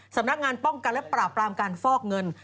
สำนักงานป้องกันและปราบปรามการฟอกเงิน